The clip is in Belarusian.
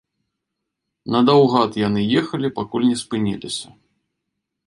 Надаўгад яны ехалі, пакуль не спыніліся.